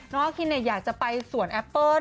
น้องอาคินอยากจะไปสวนแอปเปิ้ล